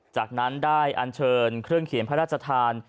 จากนั้นได้อันเชิญเครื่องเขียนพระราชทาน